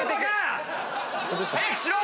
早くしろ！